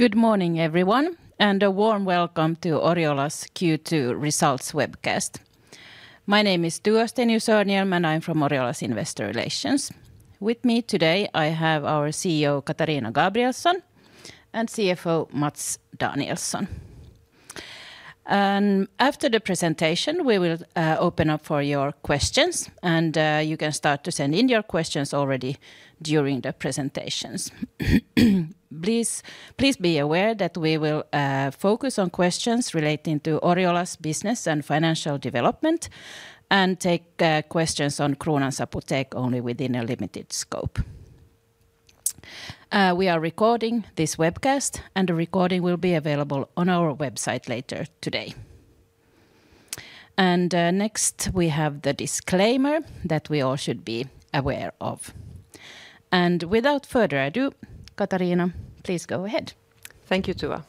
Good morning, everyone, and a warm welcome to Oriola's Q2 results webcast. My name is Tua Stenius-Örnhjelm, and I'm from Oriola's Investor Relations. With me today, I have our CEO, Katarina Gabrielson, and CFO, Mats Danielsson. After the presentation, we will open up for your questions, and you can start to send in your questions already during the presentations. Please be aware that we will focus on questions relating to Oriola's business and financial development and take questions on Kronans Apotek only within a limited scope. We are recording this webcast, and the recording will be available on our website later today. Next, we have the disclaimer that we all should be aware of. Without further ado, Katarina, please go ahead. Thank you, Tua.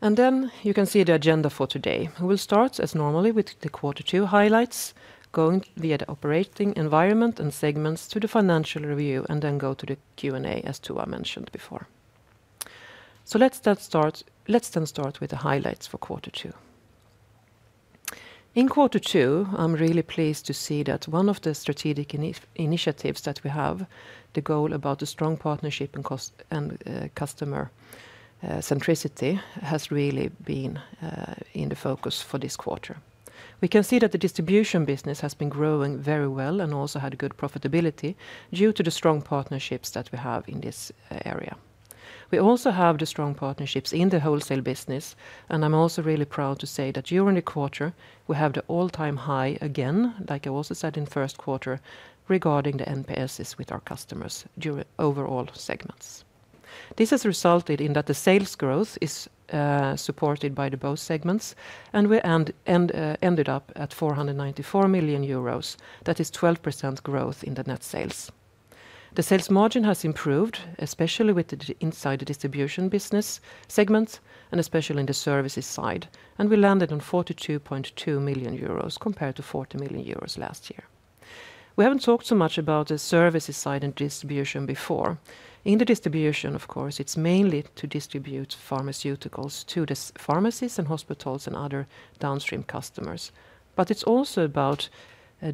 Then you can see the agenda for today. We will start, as normally, with the Q2 highlights, going via the operating environment and segments to the financial review, and then go to the Q&A, as Tua mentioned before. Let's then start with the highlights for Q2. In Q2, I'm really pleased to see that one of the strategic initiatives that we have, the goal about the strong partnership and customer centricity, has really been in the focus for this quarter. We can see that the Distribution business has been growing very well and also had good profitability due to the strong partnerships that we have in this area. We also have the strong partnerships in the Wholesale business, and I'm also really proud to say that during the quarter, we have the all-time high again, like I also said in the first quarter, regarding the NPSs with our customers during overall segments. This has resulted in that the sales growth is supported by both segments, and we ended up at 494 million euros. That is 12% growth in the net sales. The sales margin has improved, especially inside the Distribution business segments, and especially in the services side, and we landed on 42.2 million euros compared to 40 million euros last year. We haven't talked so much about the services side and Distribution before. In the Distribution, of course, it's mainly to distribute pharmaceuticals to the pharmacies and hospitals and other downstream customers, but it's also about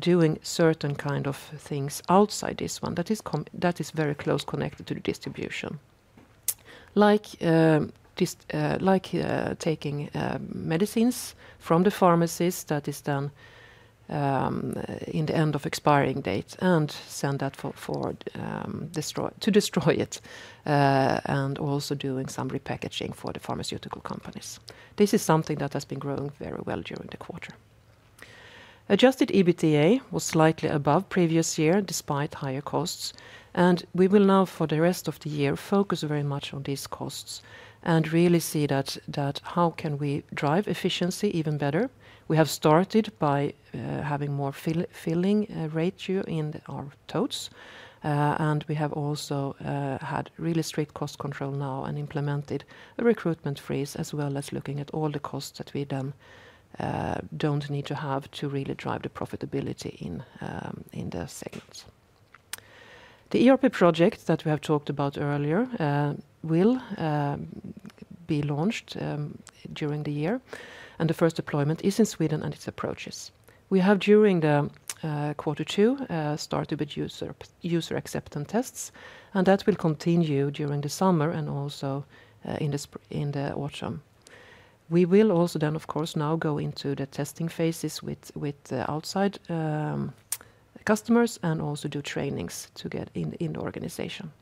doing certain kinds of things outside this one that is very closely connected to the distribution. Like taking medicines from the pharmacies that are done in the end of expiring dates and send that forward to destroy it, and also doing some repackaging for the pharmaceutical companies. This is something that has been growing very well during the quarter. Adjusted EBITDA was slightly above previous year despite higher costs, and we will now, for the rest of the year, focus very much on these costs and really see that how can we drive efficiency even better. We have started by having more filling ratio in our totes, and we have also had really strict cost control now and implemented a recruitment freeze as well as looking at all the costs that we don't need to have to really drive the profitability in the sales. The ERP project that we have talked about earlier will be launched during the year, and the first deployment is in Sweden and its approaches. We have, during the quarter two, started with user acceptance tests, and that will continue during the summer and also in the autumn. We will also then, of course, now go into the testing phases with outside customers and also do trainings to get in the organization.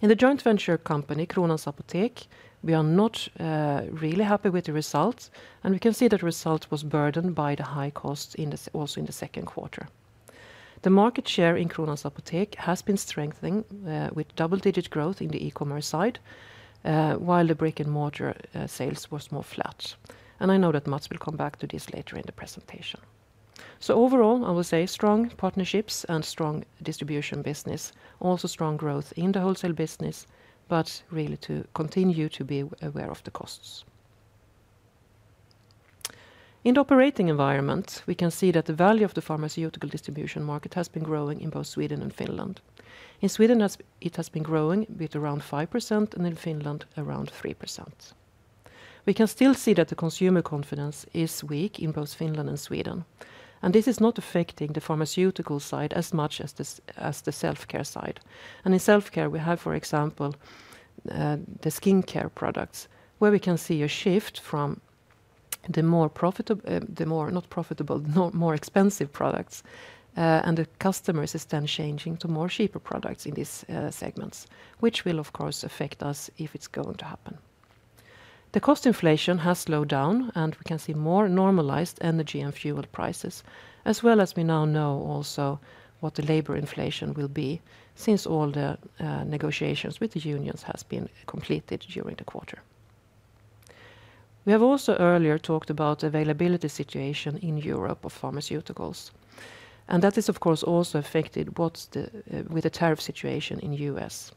In the joint venture company, Kronans Apotek, we are not really happy with the results, and we can see that the result was burdened by the high cost also in the second quarter. The market share in Kronans Apotek has been strengthening with double-digit growth in the e-commerce side, while the brick and mortar sales were more flat. I know that Mats will come back to this later in the presentation. Overall, I will say strong partnerships and strong Distribution business, also strong growth in the Wholesale business, but really to continue to be aware of the costs. In the operating environment, we can see that the value of the pharmaceutical distribution market has been growing in both Sweden and Finland. In Sweden, it has been growing with around 5%, and in Finland, around 3%. We can still see that the consumer confidence is weak in both Finland and Sweden, and this is not affecting the pharmaceutical side as much as the self-care side. In self-care, we have, for example, the skin care products where we can see a shift from the more not profitable, more expensive products, and the customers are then changing to more cheaper products in these segments, which will, of course, affect us if it's going to happen. The cost inflation has slowed down, and we can see more normalized energy and fuel prices, as well as we now know also what the labor inflation will be since all the negotiations with the unions have been completed during the quarter. We have also earlier talked about the availability situation in Europe of pharmaceuticals, and that is, of course, also affected with the tariff situation in the U.S.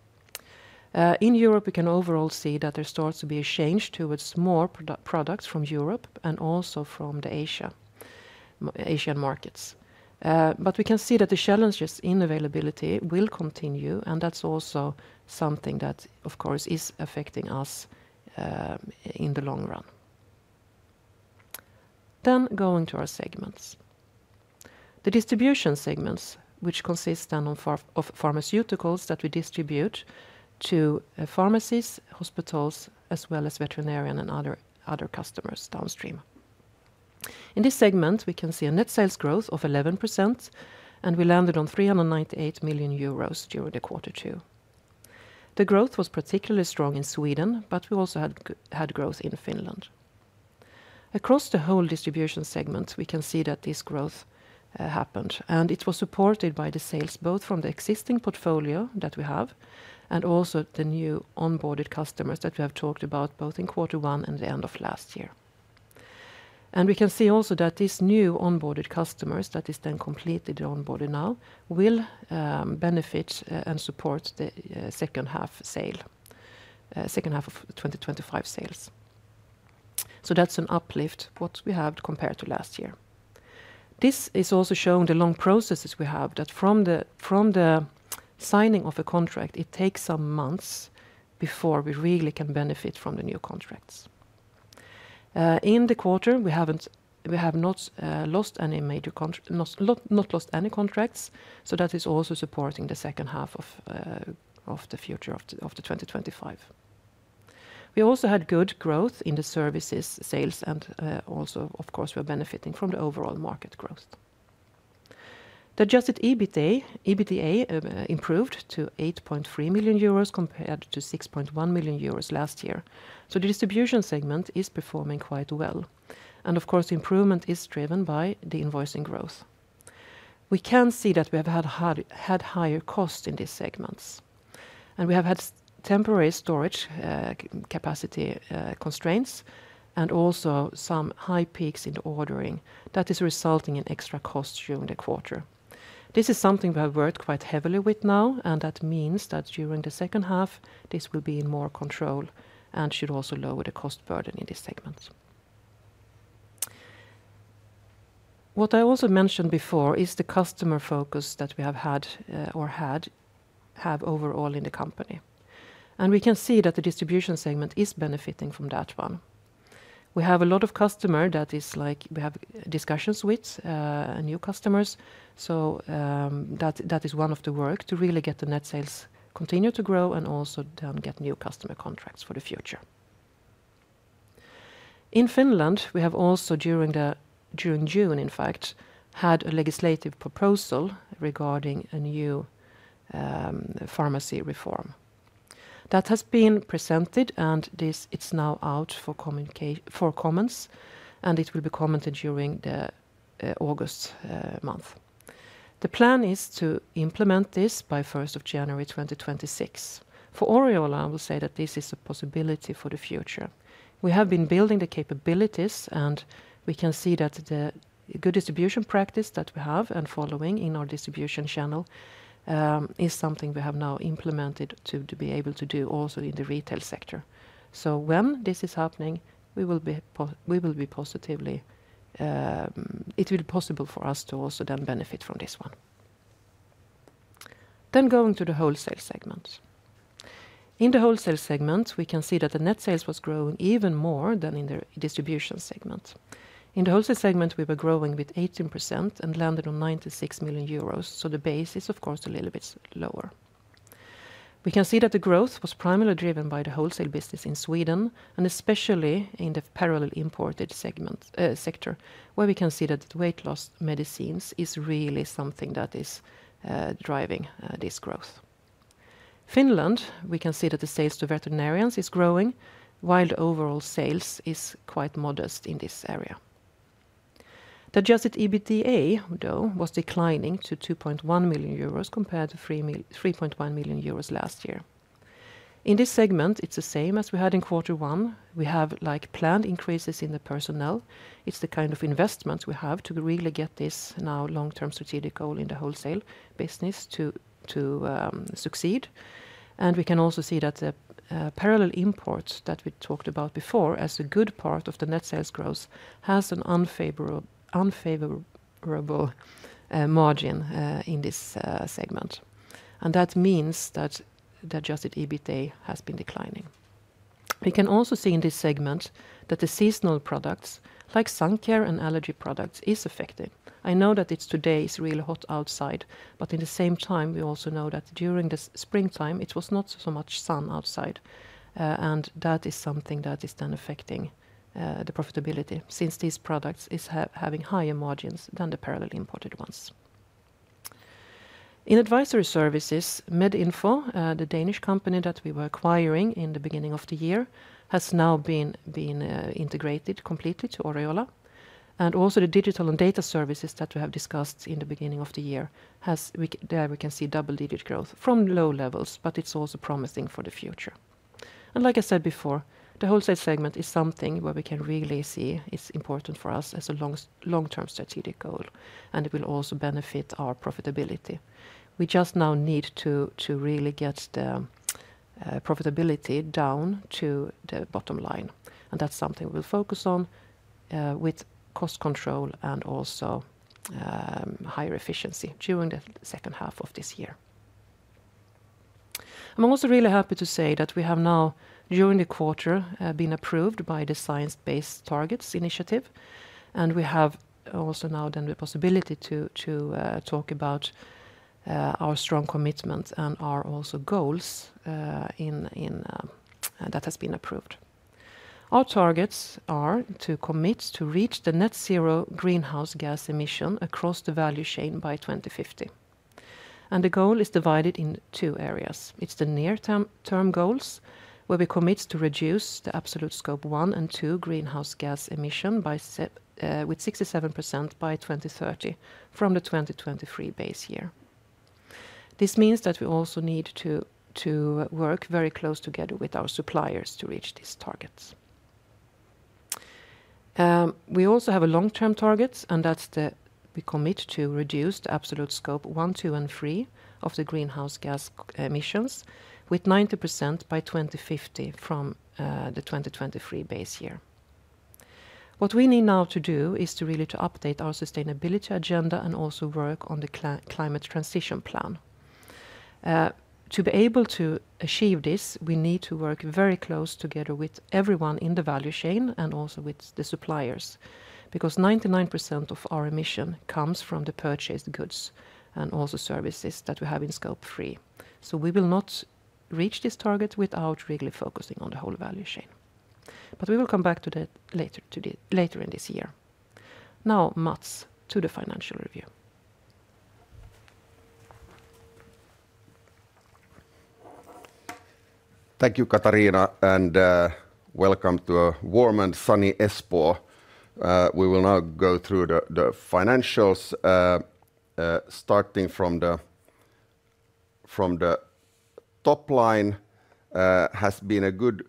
In Europe, we can overall see that there starts to be a change towards more products from Europe and also from the Asian markets, but we can see that the challenges in availability will continue, and that's also something that, of course, is affecting us in the long run. Going to our segments, the Distribution segments, which consist of pharmaceuticals that we distribute to pharmacies, hospitals, as well as veterinarians and other customers downstream. In this segment, we can see a net sales growth of 11%, and we landed on 398 million euros during quarter two. The growth was particularly strong in Sweden, but we also had growth in Finland. Across the whole Distribution segment, we can see that this growth happened, and it was supported by the sales both from the existing portfolio that we have and also the new onboarded customers that we have talked about both in quarter one and the end of last year. We can see also that these new onboarded customers that are then completely onboarded now will benefit and support the second half of 2025 sales. That's an uplift of what we have compared to last year. This is also showing the long processes we have that from the signing of the contract, it takes some months before we really can benefit from the new contracts. In the quarter, we have not lost any contracts, so that is also supporting the second half of the future of 2025. We also had good growth in the services sales, and also, of course, we're benefiting from the overall market growth. The adjusted EBITDA improved to 8.3 million euros compared to 6.1 million euros last year. The Distribution segment is performing quite well, and of course, the improvement is driven by the invoicing growth. We can see that we have had higher costs in these segments, and we have had temporary storage capacity constraints and also some high peaks in the ordering that is resulting in extra costs during the quarter. This is something we have worked quite heavily with now, and that means that during the second half, this will be in more control and should also lower the cost burden in these segments. What I also mentioned before is the customer focus that we have had or had overall in the company, and we can see that the Distribution segment is benefiting from that one. We have a lot of customers that we have discussions with, new customers, so that is one of the work to really get the net sales to continue to grow and also then get new customer contracts for the future. In Finland, we have also, during June, in fact, had a legislative proposal regarding a new pharmacy reform that has been presented, and it's now out for comments, and it will be commented during the August month. The plan is to implement this by 1st of January 2026. For Oriola, I will say that this is a possibility for the future. We have been building the capabilities, and we can see that the good distribution practice that we have and follow in our distribution channel is something we have now implemented to be able to do also in the retail sector. When this is happening, it will be possible for us to also then benefit from this one. Going to the Wholesale segments, in the Wholesale segments, we can see that the net sales were growing even more than in the Distribution segment. In the Wholesale segment, we were growing with 18% and landed on 96 million euros, so the base is, of course, a little bit lower. We can see that the growth was primarily driven by the Wholesale business in Sweden and especially in the parallel imports sector where we can see that the weight loss medicines is really something that is driving this growth. In Finland, we can see that the sales to veterinarians is growing, while the overall sales is quite modest in this area. The adjusted EBITDA, though, was declining to 2.1 million euros compared to 3.1 million euros last year. In this segment, it's the same as we had in quarter one. We have planned increases in the personnel. It's the kind of investments we have to really get this now long-term strategic goal in the Wholesale business to succeed. We can also see that the parallel imports that we talked about before as a good part of the net sales growth has an unfavorable margin in this segment. That means that the adjusted EBITDA has been declining. We can also see in this segment that the seasonal products, like sun care and allergy products, are affected. I know that today is really hot outside, but at the same time, we also know that during the springtime, it was not so much sun outside, and that is something that is then affecting the profitability since these products are having higher margins than the parallel imported ones. In Advisory Services, MedInfo, the Danish company that we were acquiring in the beginning of the year, has now been integrated completely to Oriola. Also, the digital and data services that we have discussed in the beginning of the year, we can see double-digit growth from low levels, but it's also promising for the future. Like I said before, the Wholesale segment is something where we can really see it's important for us as a long-term strategic goal, and it will also benefit our profitability. We just now need to really get the profitability down to the bottom line, and that's something we'll focus on with cost control and also higher efficiency during the second half of this year. I'm also really happy to say that we have now, during the quarter, been approved by the Science Based Targets initiative, and we have also now the possibility to talk about our strong commitment and our also goals that have been approved. Our targets are to commit to reach the net zero greenhouse gas emission across the value chain by 2050. The goal is divided in two areas. It's the near-term goals where we commit to reduce the absolute Scope 1 and 2 greenhouse gas emission with 67% by 2030 from the 2023 base year. This means that we also need to work very close together with our suppliers to reach these targets. We also have a long-term target, and that's that we commit to reduce the absolute Scope 1, 2, and 3 of the greenhouse gas emissions with 90% by 2050 from the 2023 base year. What we need now to do is to really update our sustainability agenda and also work on the climate transition plan. To be able to achieve this, we need to work very close together with everyone in the value chain and also with the suppliers because 99% of our emission comes from the purchased goods and also services that we have in Scope 3. We will not reach this target without really focusing on the whole value chain, but we will come back to that later in this year. Now, Mats, to the financial review. Thank you, Katarina, and welcome to a warm and sunny Espoo. We will now go through the financials. Starting from the top line, there has been a good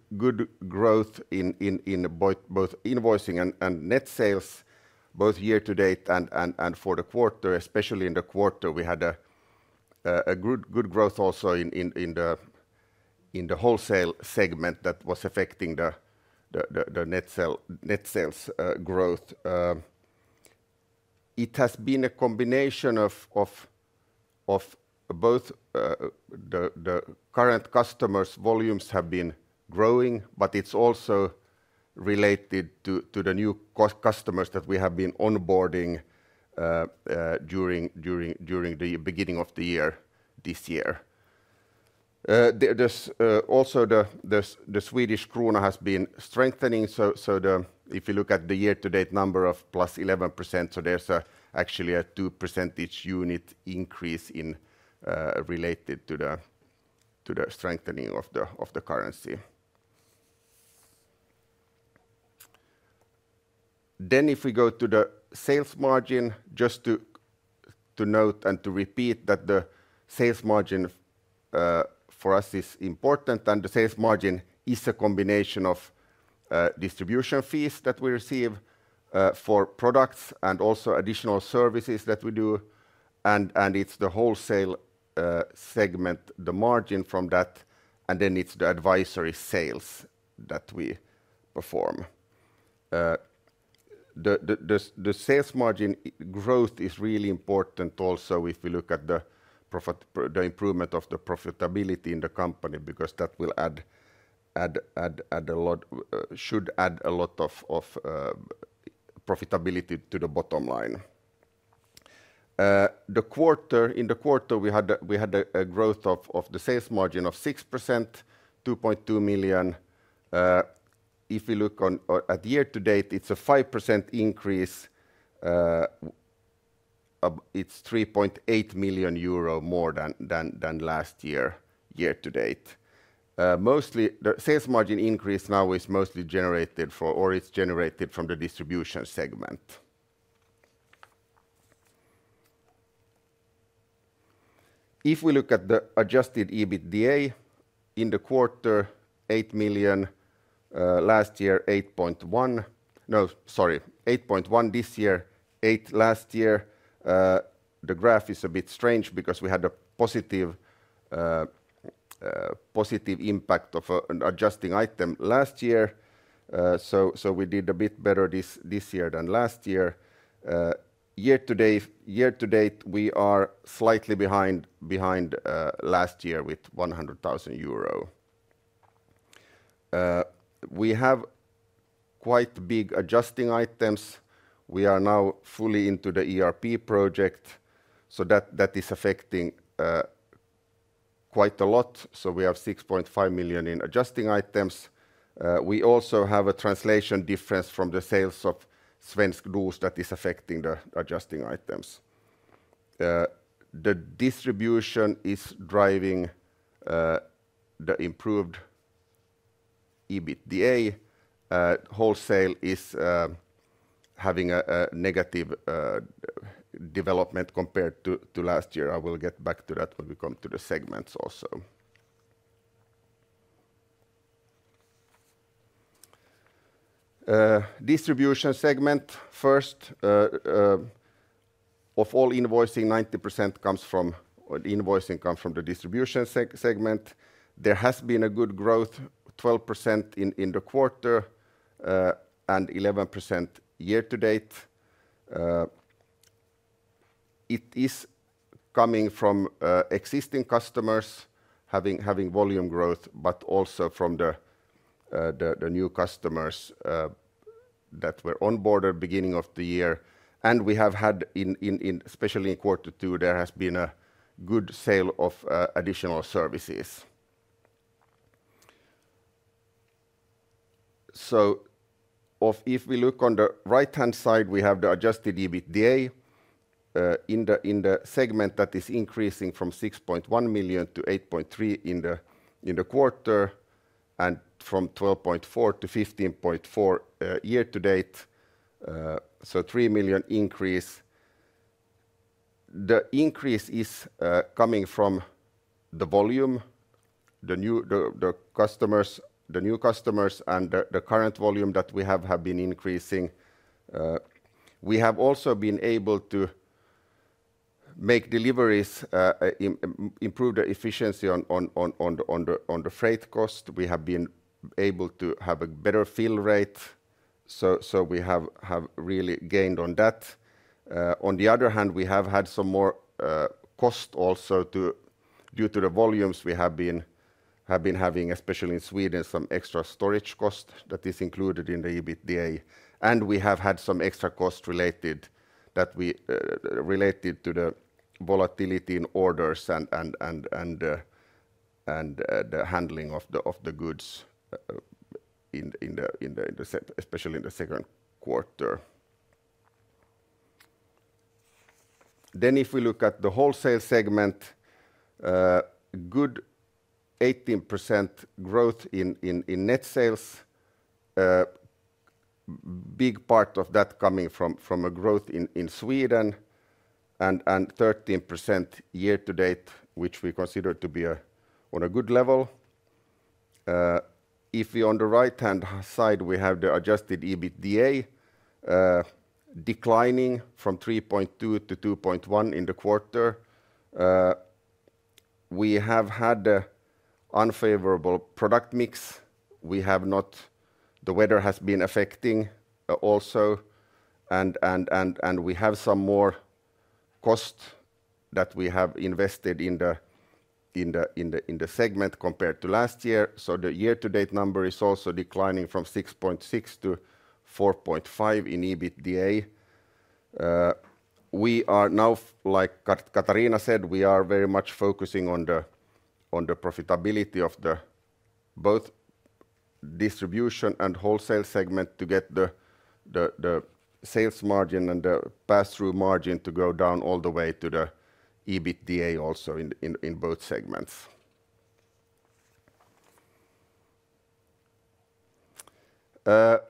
growth in both invoicing and net sales, both year to date and for the quarter. Especially in the quarter, we had a good growth also in the Wholesale segment that was affecting the net sales growth. It has been a combination of both the current customers' volumes have been growing, but it's also related to the new customers that we have been onboarding during the beginning of the year this year. Also, the Swedish krona has been strengthening, so if you look at the year-to-date number of plus 11%, there's actually a two percentage unit increase related to the strengthening of the currency. If we go to the sales margin, just to note and to repeat that the sales margin for us is important, and the sales margin is a combination of distribution fees that we receive for products and also additional services that we do, and it's the Wholesale segment, the margin from that, and then it's the advisory sales that we perform. The sales margin growth is really important also if we look at the improvement of the profitability in the company because that will add a lot, should add a lot of profitability to the bottom line. In the quarter, we had a growth of the sales margin of 6%, 2.2 million. If you look at year to date, it's a 5% increase. It's 3.8 million euro more than last year, year to date. Mostly, the sales margin increase now is mostly generated for, or it's generated from the Distribution segment. If we look at the adjusted EBITDA in the quarter, 8 million, last year 8.1, no, sorry, 8.1 this year, 8 last year. The graph is a bit strange because we had a positive impact of an adjusting item last year, so we did a bit better this year than last year. Year to date, we are slightly behind last year with 100,000 euro. We have quite big adjusting items. We are now fully into the ERP project, so that is affecting quite a lot. We have 6.5 million in adjusting items. We also have a translation difference from the sales of Svensk dos that is affecting the adjusting items. The Distribution is driving the improved EBITDA. Wholesale is having a negative development compared to last year. I will get back to that when we come to the segments also. Distribution segment first. Of all invoicing, 90% comes from the Distribution segment. There has been a good growth, 12% in the quarter and 11% year to date. It is coming from existing customers having volume growth, but also from the new customers that were onboarded at the beginning of the year. We have had, especially in quarter two, there has been a good sale of additional services. If we look on the right-hand side, we have the adjusted EBITDA in the segment that is increasing from 6.1 million-8.3 million in the quarter and from 12.4 million-15.4 million year to date, so a 3 million increase. The increase is coming from the volume, the new customers, and the current volume that we have been increasing. We have also been able to make deliveries, improve the efficiency on the freight cost. We have been able to have a better fill rate, so we have really gained on that. On the other hand, we have had some more costs also due to the volumes we have been having, especially in Sweden, some extra storage costs that are included in the EBITDA, and we have had some extra costs related to the volatility in orders and the handling of the goods, especially in the second quarter. If we look at the Wholesale segment, good 18% growth in net sales, a big part of that coming from a growth in Sweden, and 13% year to date, which we consider to be on a good level. If we look on the right-hand side, we have the adjusted EBITDA declining from 3.2 million-2.1 million in the quarter. We have had the unfavorable product mix. The weather has been affecting also, and we have some more costs that we have invested in the segment compared to last year, so the year-to-date number is also declining from 6.6 million-4.5 million in EBITDA. We are now, like Katarina said, we are very much focusing on the profitability of both the Distribution and Wholesale segment to get the sales margin and the pass-through margin to go down all the way to the EBITDA also in both segments.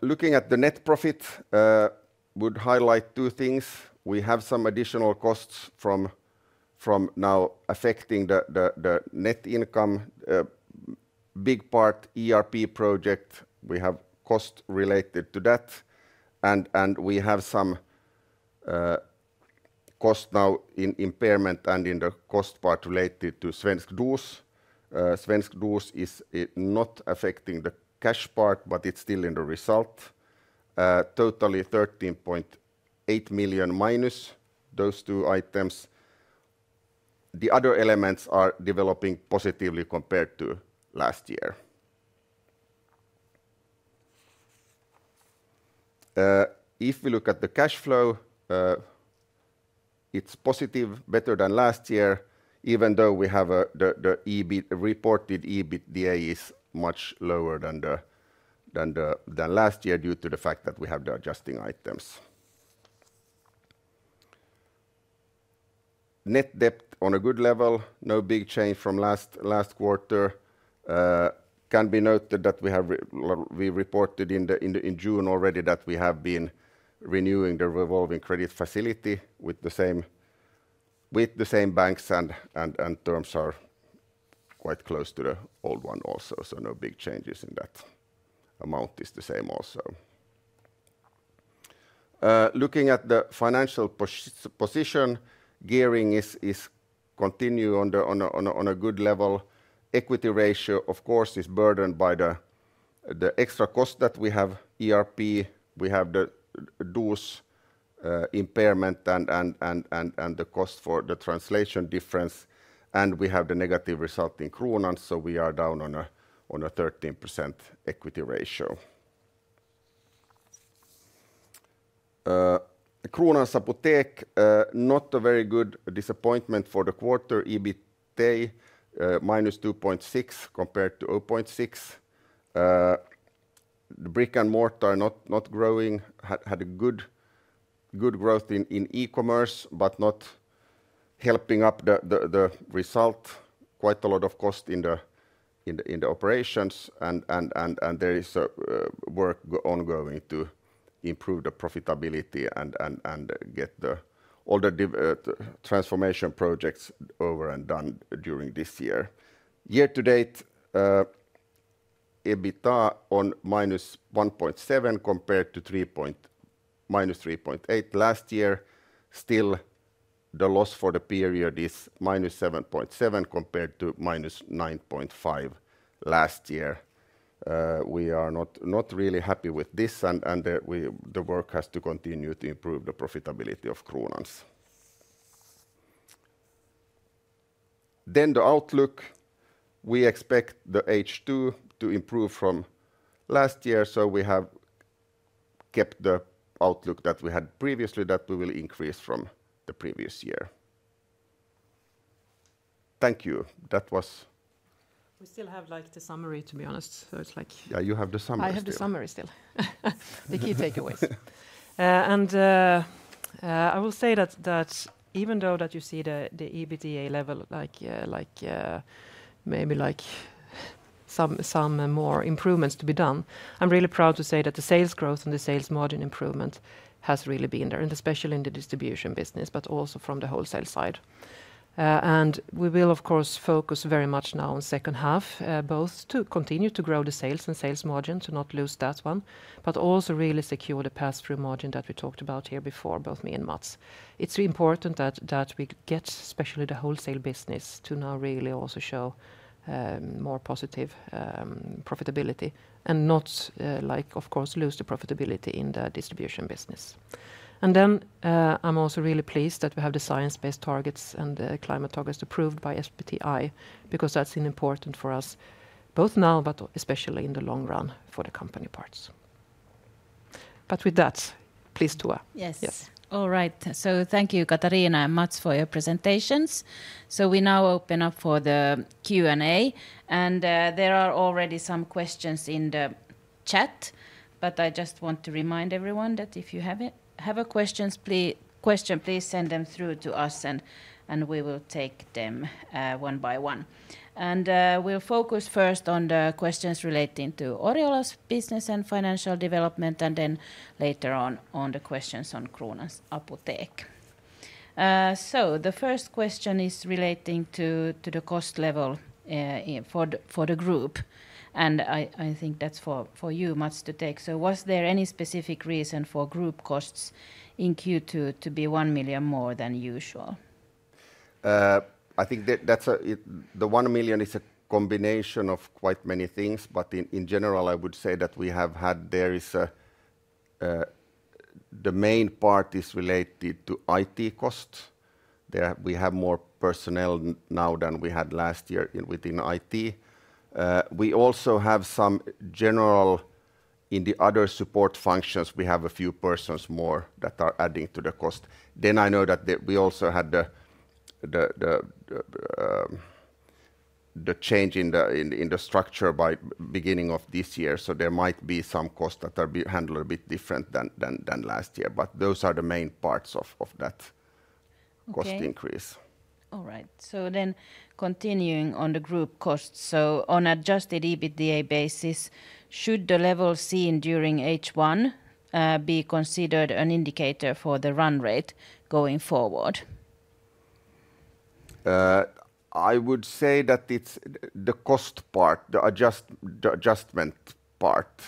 Looking at the net profit, I would highlight two things. We have some additional costs from now affecting the net income, a big part ERP project. We have costs related to that, and we have some costs now in impairment and in the cost part related to Svensk dos. Svensk dos is not affecting the cash part, but it's still in the result. Totally, 13.8 million minus those two items. The other elements are developing positively compared to last year. If we look at the cash flow, it's positive, better than last year, even though the reported EBITDA is much lower than last year due to the fact that we have the adjusting items. Net debt on a good level, no big change from last quarter. It can be noted that we have reported in June already that we have been renewing the revolving credit facility with the same banks, and terms are quite close to the old one also, so no big changes in that. The amount is the same also. Looking at the financial position, gearing is continuing on a good level. Equity ratio, of course, is burdened by the extra costs that we have ERP. We have the dos impairment and the cost for the translation difference, and we have the negative result in Kronans, so we are down on a 13% equity ratio. Kronans Apotek, not a very good disappointment for the quarter. EBITDA -2.6 compared to 0.6. Brick and mortar are not growing, had a good growth in e-commerce, but not helping up the result. Quite a lot of costs in the operations, and there is work ongoing to improve the profitability and get all the transformation projects over and done during this year. Year to date, EBITDA on -1.7 compared to -3.8 last year. Still, the loss for the period is -7.7 compared to -9.5 last year. We are not really happy with this, and the work has to continue to improve the profitability of Kronans. The outlook, we expect the H2 to improve from last year, so we have kept the outlook that we had previously that we will increase from the previous year. Thank you. That was. We still have the summary, to be honest. Yeah, you have the summary. I have the summary still. The key takeaways. I will say that even though you see the EBITDA level like maybe some more improvements to be done, I'm really proud to say that the sales growth and the sales margin improvement has really been there, and especially in the Distribution business, but also from the Wholesale side. We will, of course, focus very much now on the second half, both to continue to grow the sales and sales margin to not lose that one, but also really secure the pass-through margin that we talked about here before, both me and Mats. It's really important that we get, especially the Wholesale business, to now really also show more positive profitability and not, of course, lose the profitability in the Distribution business. I am also really pleased that we have the science-based targets and the climate targets approved by SBTi because that's important for us both now, but especially in the long run for the company parts. But with that, please, Tua. Yes. All right. Thank you, Katarina and Mats, for your presentations. We now open up for the Q&A, and there are already some questions in the chat. I just want to remind everyone that if you have questions, please send them through to us, and we will take them one by one. We'll focus first on the questions relating to Oriola's business and financial development, and then later on the questions on Kronans Apotek. The first question is relating to the cost level for the group, and I think that's for you, Mats, to take. Was there any specific reason for group costs in Q2 to be 1 million more than usual? I think that the 1 million is a combination of quite many things, but in general, I would say that the main part is related to IT costs. We have more personnel now than we had last year within IT. We also have some general in the other support functions. We have a few persons more that are adding to the cost. I know that we also had the change in the structure by the beginning of this year, so there might be some costs that are handled a bit different than last year, but those are the main parts of that cost increase. All right. Continuing on the group costs, on an adjusted EBITDA basis, should the level seen during H1 be considered an indicator for the run rate going forward? I would say that the cost part, the adjustment part,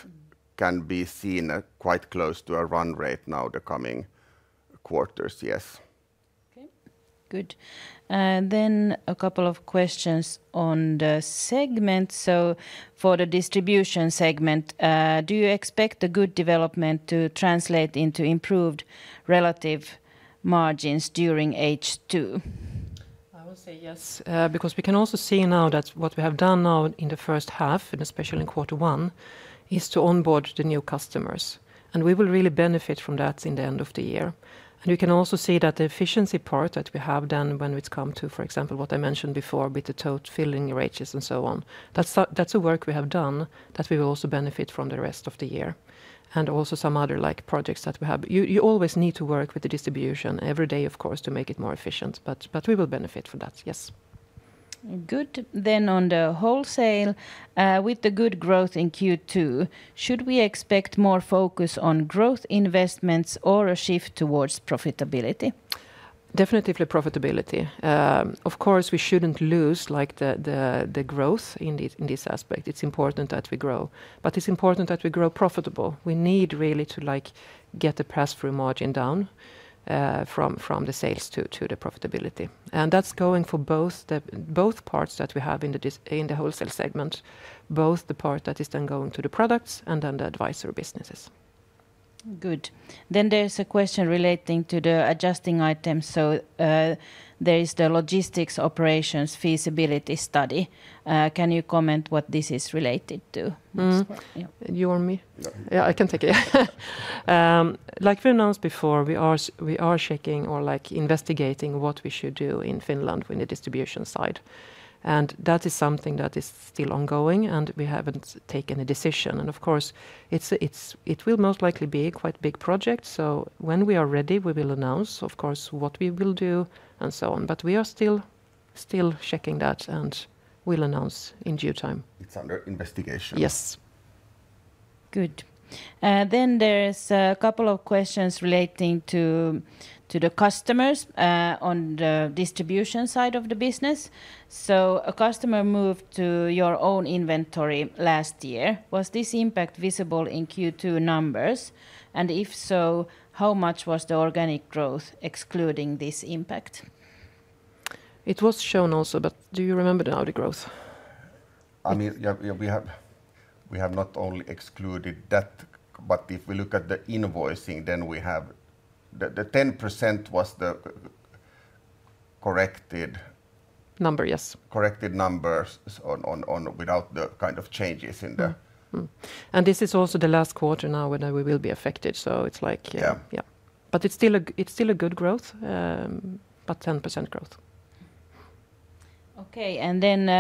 can be seen quite close to a run rate now the coming quarters, yes. Okay, good. A couple of questions on the segment. For the Distribution segment, do you expect a good development to translate into improved relative margins during H2? I will say yes because we can also see now that what we have done now in the first half, and especially in quarter one, is to onboard the new customers, and we will really benefit from that in the end of the year. We can also see that the efficiency part that we have done when it comes to, for example, what I mentioned before, with the totes filling rates and so on, that's the work we have done that we will also benefit from the rest of the year, and also some other projects that we have. You always need to work with the distribution every day, of course, to make it more efficient, but we will benefit from that, yes. Good. On the Wholesale, with the good growth in Q2, should we expect more focus on growth investments or a shift towards profitability? Definitely profitability. Of course, we shouldn't lose the growth in this aspect. It's important that we grow, but it's important that we grow profitable. We need really to get the pass-through margin down from the sales to the profitability, and that's going for both parts that we have in the Wholesale segment, both the part that is then going to the products and then the Advisory businesses. Good. There is a question relating to the adjusting items, so there is the logistics operations feasibility study. Can you comment what this is related to? Yeah, I can take it. Like we announced before, we are checking or investigating what we should do in Finland with the distribution side, and that is something that is still ongoing, and we haven't taken a decision. Of course, it will most likely be a quite big project. When we are ready, we will announce, of course, what we will do and so on, but we are still checking that and will announce in due time. It's under investigation. Yes. Good. There are a couple of questions relating to the customers on the distribution side of the business. A customer moved to your own inventory last year. Was this impact visible in Q2 numbers? If so, how much was the organic growth excluding this impact? It was shown also, do you remember now the growth? We have not only excluded that, but if we look at the invoicing, then we have the 10% was the corrected. Number, yes. Corrected numbers without the kind of changes in the. This is also the last quarter now where we will be affected, so it's like, yeah, but it's still a good growth, but 10% growth. Okay.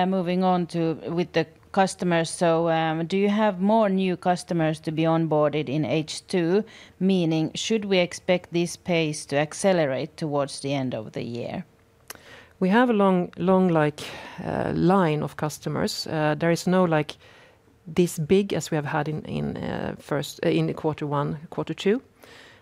Moving on to the customers, do you have more new customers to be onboarded in H2? Meaning, should we expect this pace to accelerate towards the end of the year? We have a long line of customers. It is not as big as we have had in quarter one, quarter two,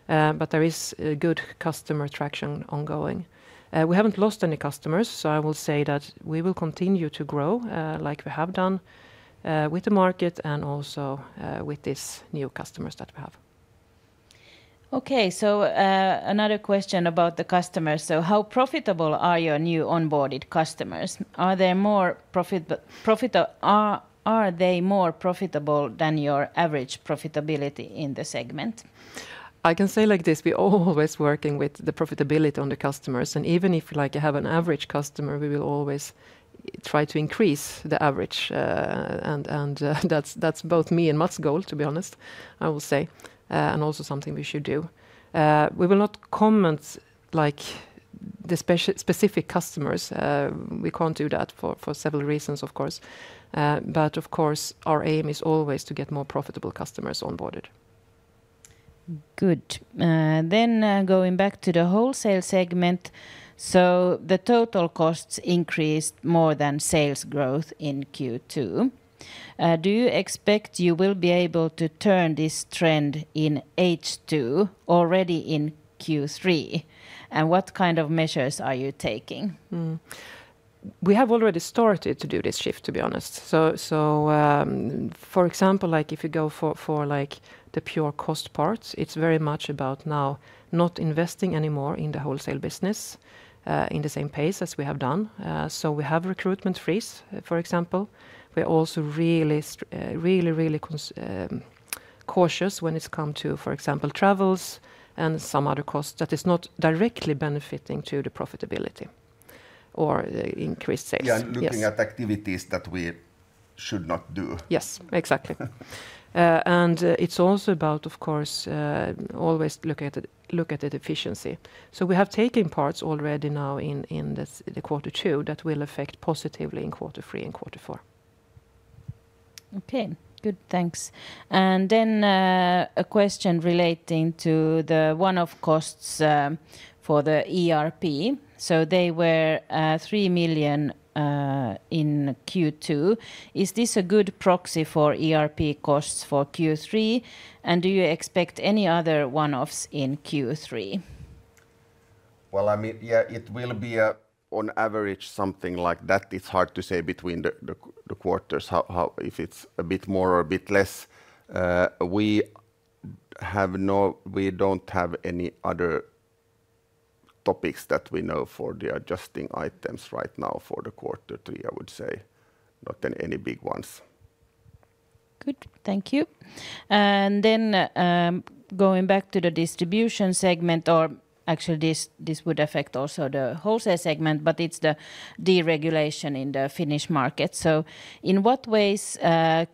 but there is good customer traction ongoing. We haven't lost any customers, so I will say that we will continue to grow like we have done with the market and also with these new customers that we have. Okay. Another question about the customers. How profitable are your new onboarded customers? Are they more profitable than your average profitability in the segment? I can say like this, we are always working with the profitability on the customers, and even if you have an average customer, we will always try to increase the average, and that's both me and Mats' goal, to be honest, I will say, and also something we should do. We will not comment the specific customers. We can't do that for several reasons, of course, but of course, our aim is always to get more profitable customers onboarded. Good. Going back to the Wholesale segment, the total costs increased more than sales growth in Q2. Do you expect you will be able to turn this trend in H2 already in Q3, and what kind of measures are you taking? We have already started to do this shift, to be honest. For example, if you go for the pure cost parts, it's very much about now not investing anymore in the Wholesale business in the same pace as we have done. We have recruitment freeze, for example. We are also really, really cautious when it comes to, for example, travels and some other costs that are not directly benefiting to the profitability or the increased sales. Looking at activities that we should not do. Yes, exactly. It's also about, of course, always look at the efficiency. We have taken parts already now in quarter two that will affect positively in quarter three and quarter four. Okay. Good, thanks. A question relating to the one-off costs for the ERP. They were 3 million in Q2. Is this a good proxy for ERP costs for Q3, and do you expect any other one-offs in Q3? It will be on average something like that. It's hard to say between the quarters if it's a bit more or a bit less. We don't have any other topics that we know for the adjusting items right now for the quarter three, I would say, not any big ones. Good, thank you. Going back to the Distribution segment, or actually, this would affect also the Wholesale segment, but it's the deregulation in the Finnish market. In what ways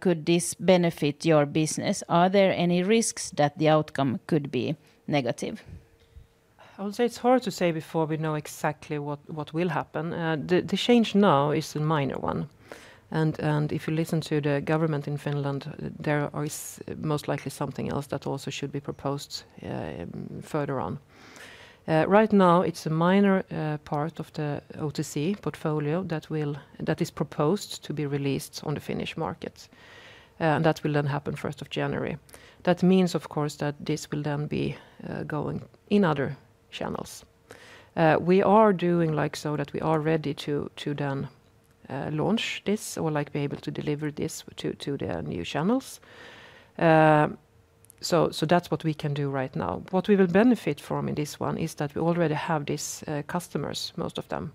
could this benefit your business? Are there any risks that the outcome could be negative? I would say it's hard to say before we know exactly what will happen. The change now is a minor one, and if you listen to the government in Finland, there is most likely something else that also should be proposed further on. Right now, it's a minor part of the OTC portfolio that is proposed to be released on the Finnish market, and that will then happen 1st of January. That means, of course, that this will then be going in other channels. We are doing so that we are ready to then launch this or be able to deliver this to the new channels, so that's what we can do right now. What we will benefit from in this one is that we already have these customers, most of them,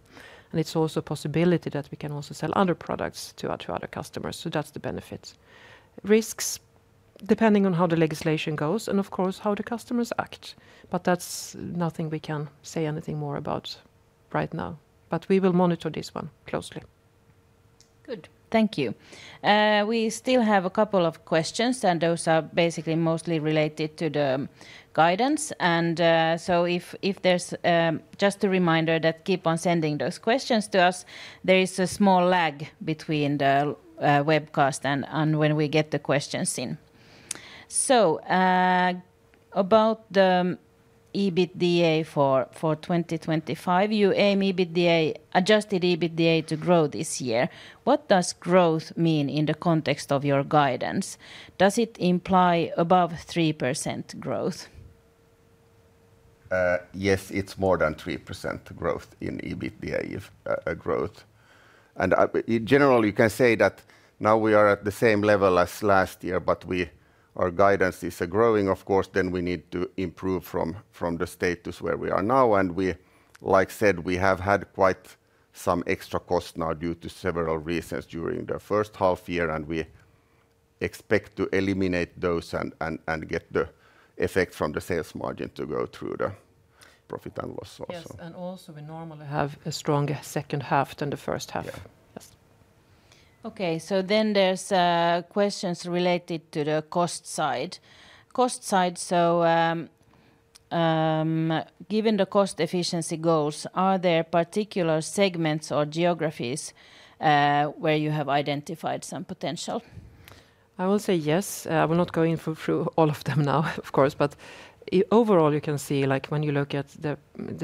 and it's also a possibility that we can also sell other products to other customers, so that's the benefit. Risks, depending on how the legislation goes and, of course, how the customers act, but that's nothing we can say anything more about right now, but we will monitor this one closely. Good, thank you. We still have a couple of questions, and those are basically mostly related to the guidance. Just a reminder to keep on sending those questions to us. There is a small lag between the webcast and when we get the questions in. About the EBITDA for 2025, you aim adjusted EBITDA to grow this year. What does growth mean in the context of your guidance? Does it imply above 3% growth? Yes, it's more than 3% growth in EBITDA growth. Generally, you can say that now we are at the same level as last year, but our guidance is growing. Of course, we need to improve from the status where we are now, and like I said, we have had quite some extra costs now due to several reasons during the first half year, and we expect to eliminate those and get the effect from the sales margin to go through the profit and loss also. Yes, we normally have a stronger second half than the first half. Okay. There are questions related to the cost side. Given the cost efficiency goals, are there particular segments or geographies where you have identified some potential? I will say yes. I will not go in through all of them now, of course, but overall, you can see when you look at the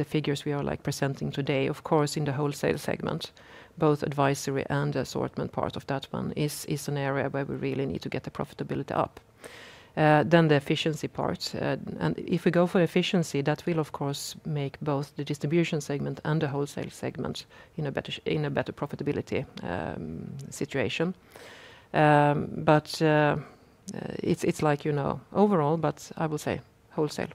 figures we are presenting today, of course, in the Wholesale segment, both advisory and the assortment part of that one is an area where we really need to get the profitability up. The efficiency part, and if we go for efficiency, that will, of course, make both the Distribution segment and the Wholesale segment in a better profitability situation. It's like overall, but I will say Wholesale.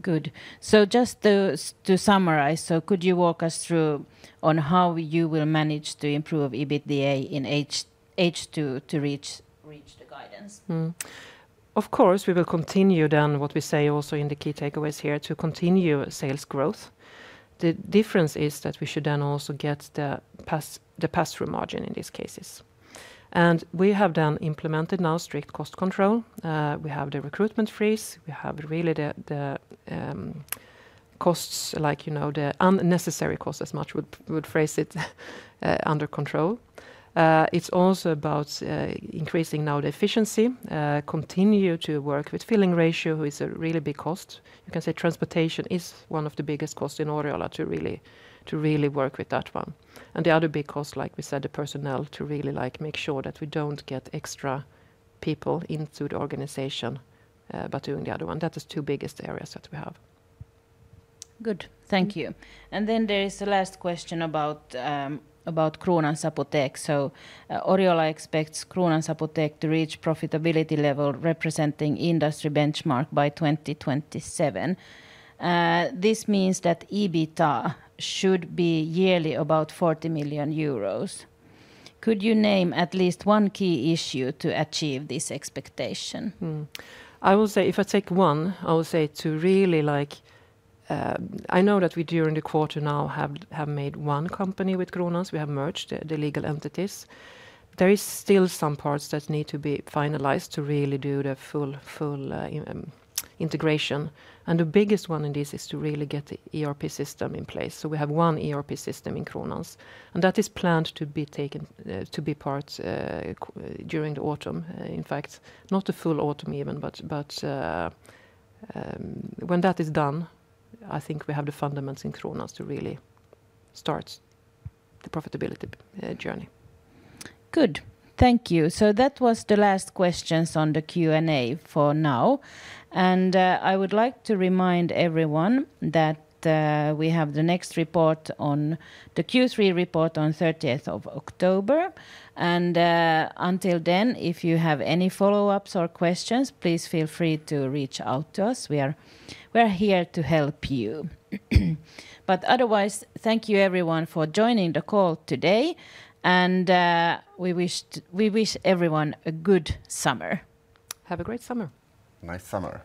Good. Just to summarize, could you walk us through how you will manage to improve EBITDA in H2 to reach the guidance? Of course, we will continue then what we say also in the key takeaways here to continue sales growth. The difference is that we should then also get the pass-through margin in these cases. We have then implemented now strict cost control. We have the recruitment freeze. We have really the costs, like the unnecessary costs, as much would phrase it, under control. It's also about increasing now the efficiency, continue to work with filling ratio, which is a really big cost. You can say transportation is one of the biggest costs in Oriola to really work with that one. The other big cost, like we said, the personnel to really make sure that we don't get extra people into the organization by doing the other one. That is the two biggest areas that we have. Good, thank you. There is the last question about Kronans Apotek. Oriola expects Kronans Apotek to reach profitability level representing industry benchmark by 2027. This means that EBITDA should be yearly about 40 million euros. Could you name at least one key issue to achieve this expectation? I will say if I take one, I will say to really like I know that we during the quarter now have made one company with Kronans. We have merged the legal entities. There are still some parts that need to be finalized to really do the full integration, and the biggest one in this is to really get the ERP system in place. We have one ERP system in Kronans, and that is planned to be part during the autumn. In fact, not the full autumn even, but when that is done, I think we have the fundaments in Kronans to really start the profitability journey. Good, thank you. That was the last question on the Q&A for now. I would like to remind everyone that we have the next report, the Q3 report, on October 30. Until then, if you have any follow-ups or questions, please feel free to reach out to us. We are here to help you. Otherwise, thank you everyone for joining the call today, and we wish everyone a good summer. Have a great summer. Nice summer.